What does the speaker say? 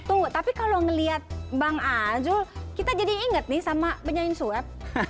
tuh tapi kalau ngeliat bang ajul kita jadi inget nih sama benyain swab